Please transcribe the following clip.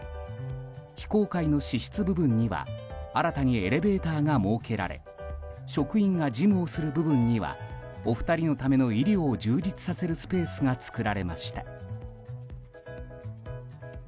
非公開の私室部分には新たにエレベーターが設けられ職員が事務をする部分にはお二人のための医療を充実させるスペースが作られました。